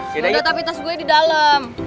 yaudah tapi tas gue di dalam